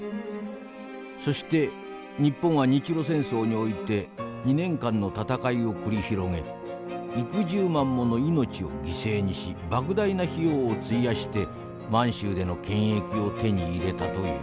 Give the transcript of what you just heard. そして日本は日露戦争において２年間の戦いを繰り広げ幾十万もの命を犠牲にしばく大な費用を費やして満州での権益を手に入れたという。